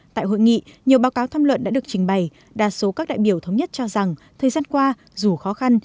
tại hội nghị nhiều báo cáo tham luận đã được trình bày đa số các đại biểu thống nhất cho rằng thời gian qua dù khó khăn